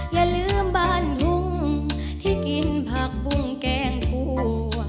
อย่าลืมบ้านทุ่งที่กินผักบุ้งแกงคั่ว